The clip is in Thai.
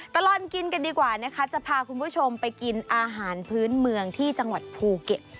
ตลอดกินกันดีกว่านะคะจะพาคุณผู้ชมไปกินอาหารพื้นเมืองที่จังหวัดภูเก็ต